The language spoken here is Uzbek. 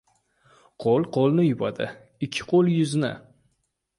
• Qo‘l qo‘lni yuvadi, ikki qo‘l — yuzni.